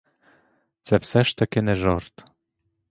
Це все ж таки не жарт.